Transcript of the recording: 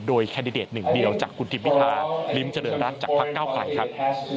แคนดิเดตหนึ่งเดียวจากคุณทิมพิธาริมเจริญรัฐจากพักเก้าไกลครับ